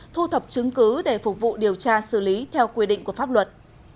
thu thập chứng cứ để phục vụ điều tra xử lý theo quy định của pháp luật